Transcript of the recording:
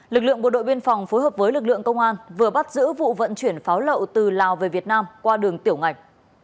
lực lượng bộ đội biên phòng phối hợp với lực lượng công an vừa bắt giữ vụ vận chuyển pháo lậu từ lào về việt nam qua đường tiểu ngạch